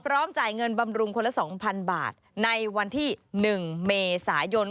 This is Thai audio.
จ่ายเงินบำรุงคนละ๒๐๐๐บาทในวันที่๑เมษายน